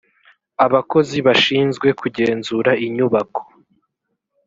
abakozi bashinzwe kugenzura inyubako